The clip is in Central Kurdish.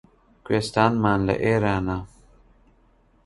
کوێستانمان لە ئێرانە